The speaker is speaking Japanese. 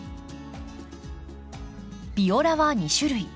ビオラは２種類。